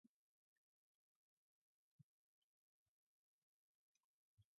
This wooden gunboat had a foredeck protected by an iron V-shaped shield.